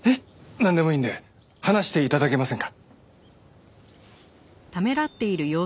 なんでもいいんで話して頂けませんか？